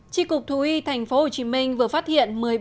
tri cục thú y tp hcm vừa phát hiện